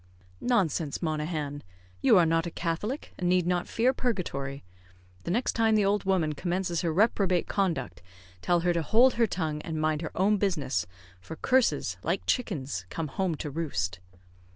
"Nonsense, Monaghan! you are not a Catholic, and need not fear purgatory. The next time the old woman commences her reprobate conduct, tell her to hold her tongue, and mind her own business, for curses, like chickens come home to roost."